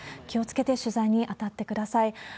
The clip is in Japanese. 気をつけて取材に当たってください。